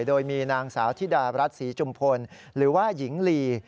โดยมีนางสาวธิดารัฐศรีจุมพลหรือว่าหญิงลี